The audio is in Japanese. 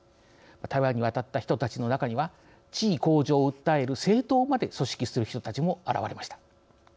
台湾に渡った人たちの中には地位向上を訴える政党まで組織する人たちも現れました。